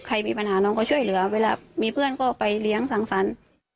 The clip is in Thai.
ใครมีปัญหาน้องก็ช่วยเหลือเวลามีเพื่อนก็ไปเลี้ยงสังสรรค์